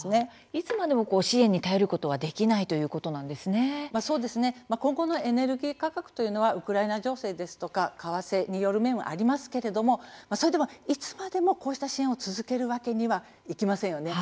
いつまでも支援に頼ることはできないそうですね、今後のエネルギー価格というのはウクライナ情勢ですとか為替による面はありますけれどもそれでも、いつまでもこうした支援を続けるわけにはいきませんよね。